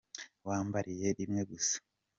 Wambabariye rimwe gusa.